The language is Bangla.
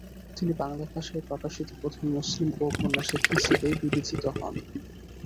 তিনি বাংলা ভাষায় প্রকাশিত প্রথম মুসলিম ঔপন্যাসিক হিসেবে বিবেচিত হন।